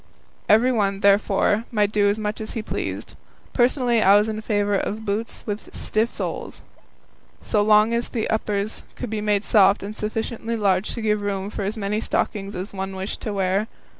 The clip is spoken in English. Everyone, therefore, might do as he pleased. Personally I was in favour of boots with stiff soles, so long as the uppers could be made soft and sufficiently large to give room for as many stockings as one wished to wear.